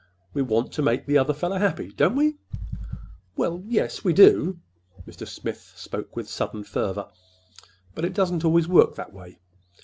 We want to make the other fellow happy, don't we?" "Well, yes, we do." Mr. Smith spoke with sudden fervor. "But it doesn't always work that way.